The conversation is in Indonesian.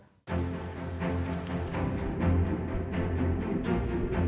kekuatan di sea games dua ribu dua puluh satu